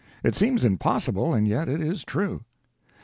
It seems impossible, and yet it is true.